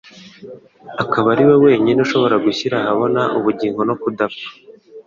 akaba ariwe wenyine ushobora gushyira ahabona ubugingo no kudapfa.